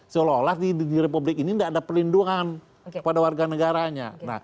seolah olah di republik ini tidak ada perlindungan kepada warga negaranya